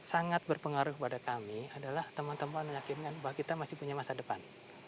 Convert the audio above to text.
sangat berpengaruh kepada kami adalah teman teman meyakinkan bahwa kita masih punya masa depan